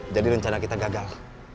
jadi rencana kita gagal